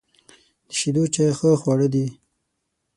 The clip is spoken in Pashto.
د شیدو چای ښه خواړه دي.